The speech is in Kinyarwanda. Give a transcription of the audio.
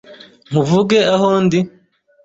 Nkuvuge aho ndi